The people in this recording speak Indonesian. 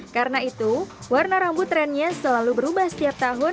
karena itu warna rambut trennya selalu berubah setiap tahun